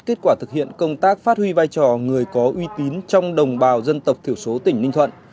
kết quả thực hiện công tác phát huy vai trò người có uy tín trong đồng bào dân tộc thiểu số tỉnh ninh thuận